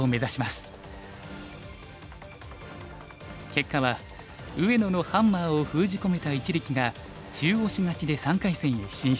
結果は上野のハンマーを封じ込めた一力が中押し勝ちで３回戦へ進出。